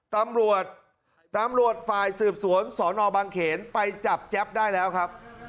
ตำรวจตำรวจฝ่ายสืบสวนสอนอบางเขนไปจับแจ๊บได้แล้วครับ